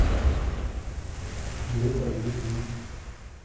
Il est à la maison ?